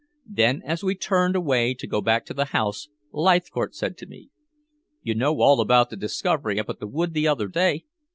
Then, as we turned away to go back to the house, Leithcourt said to me "You know all about the discovery up at the wood the other day!